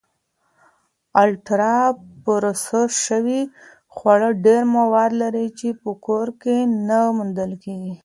الټرا پروسس شوي خواړه ډېری مواد لري چې په کور کې نه موندل کېږي.